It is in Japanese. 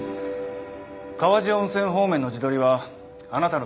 川治温泉方面の地取りはあなたの。